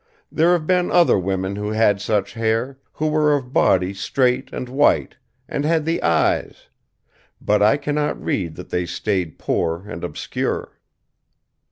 There have been other women who had such hair, who were of body straight and white, and had the eyes but I cannot read that they stayed poor and obscure."